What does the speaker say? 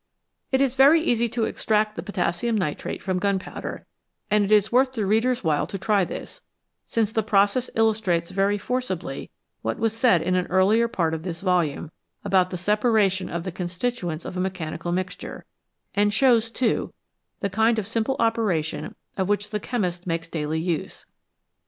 It is very easy to extract the potassium nitrate from gunpowder, and it is worth the reader's while to try this, since the process illustrates very forcibly what was said in an earlier part of this volume about the separation of the constituents of a mechanical mixture, and shows, too, the kind of simple operations of which the chemist makes daily use.